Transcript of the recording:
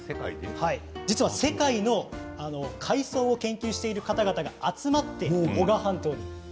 実は世界の海藻を研究している方々が集まって男鹿半島に。